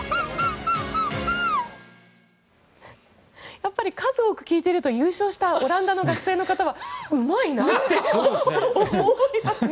やっぱり数多く聞いてると優勝したオランダの学生の方はうまいなって思いますね。